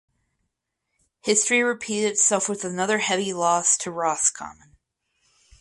History repeated itself with another heavy loss to Roscommon.